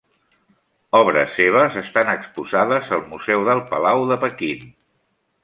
Obres seves estan exposades al Museu del Palau de Pequín.